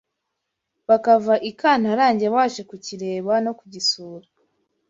bakava ikantarange baje kukireba no kugisura